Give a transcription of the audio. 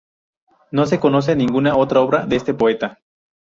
No se conoce ninguna otra obra de este poeta.